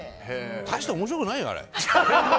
大して面白くないよ。